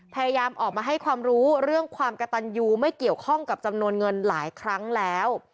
พยายามออกมาให้ความรู้เรื่องความกระตันยูไม่เกี่ยวข้องกับจำนวนเงินหลายครั้งแล้ว